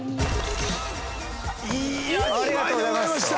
いやありがとうございました。